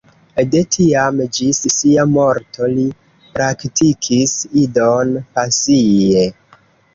De tiam ĝis sia morto, li praktikis Idon pasie.